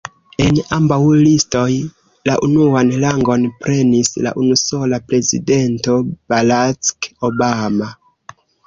En ambaŭ listoj, la unuan rangon prenis la usona prezidento, Barack Obama.